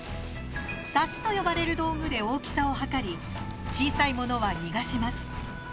「さし」と呼ばれる道具で大きさを測り小さいものは逃がします。